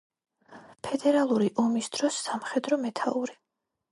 ფედერალური ომის დროს სამხედრო მეთაური.